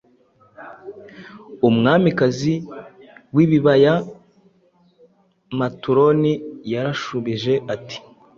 Umwamikazi wibibaya maturoni yarashubije ati